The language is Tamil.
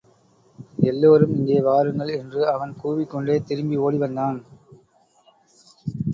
எல்லாரும் இங்கே வாருங்கள் என்று அவன் கூவிக்கொண்டே திரும்பி ஓடி வந்தான்.